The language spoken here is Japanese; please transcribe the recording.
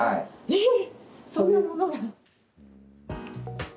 ええ、そんなものが。